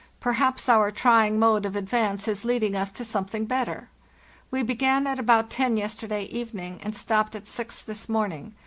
Perhaps our trying mode of advance is leading us to something better. We began at about ten yesterday evening, and stopped at six this morning.